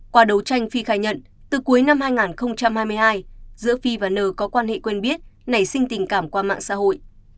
qua đấu tranh phi khai nhận từ cuối năm hai nghìn hai mươi hai giữa phi và n có quan hệ quen biết nảy sinh tình cảm qua mạng xã hội